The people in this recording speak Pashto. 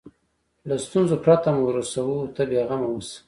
له ستونزو پرته مو رسوو ته بیغمه اوسه.